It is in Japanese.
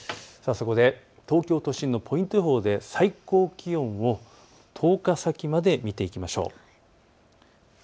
東京都心のポイント予報で最高気温を１０日先まで見ていきましょう。